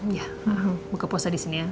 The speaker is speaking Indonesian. iya buka puasa disini ya